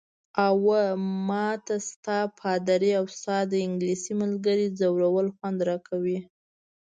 اوه، ما ته ستا، پادري او ستا د انګلیسۍ ملګرې ځورول خوند راکوي.